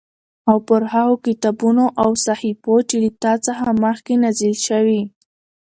او پر هغو کتابونو او صحيفو چې له تا څخه مخکې نازل شوي